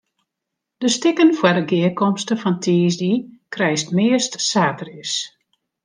De stikken foar de gearkomste fan tiisdei krijst meast saterdeis.